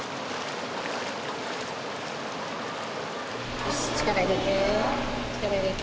よし力入れて。